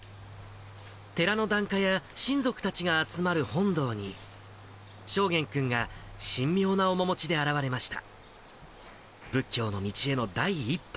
寺の檀家や親族たちが集まる本堂に、昇彦君が神妙な面持ちで現れました。